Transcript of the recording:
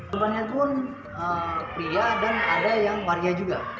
bebannya pun pria dan ada yang warga juga